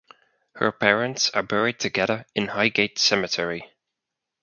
Her parents are buried together in Highgate Cemetery.